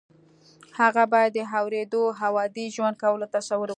هغه باید د اورېدو او عادي ژوند کولو تصور وکړي